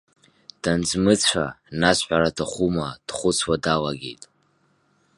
Данзмыцәа, нас ҳәараҭахума, дхәыцуа далагеит…